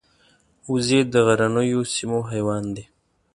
وزې د غرنیو سیمو حیوان دي